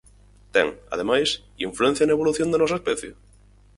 Ten, ademais, influencia na evolución da nosa especie?